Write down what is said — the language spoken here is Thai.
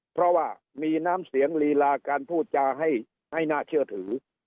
เพราะว่ามีน้ำเสียงลีลาการพูดจาให้น่าเชื่อถือ